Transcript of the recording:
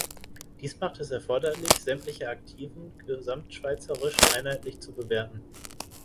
Dies macht es erforderlich, sämtliche Aktiven gesamtschweizerisch einheitlich zu bewerten.